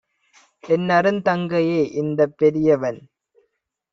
"என்னருந் தங்கையே இந்தப் பெரியவன்